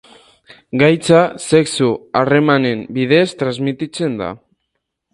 Gaitza sexu-harremanen bidez transmititzen da.